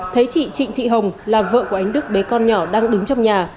thấy chị trịnh thị hồng là vợ của anh đức bé con nhỏ đang đứng trong nhà